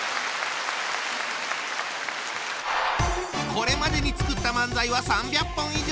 これまでに作った漫才は３００本以上！